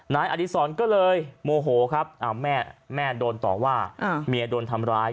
นายอดีศรก็เลยโมโหครับแม่โดนต่อว่าเมียโดนทำร้าย